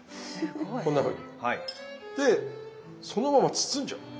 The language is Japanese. こんなふうに。でそのまま包んじゃう。